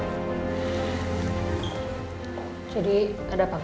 kemungkinan andien itu diculik tante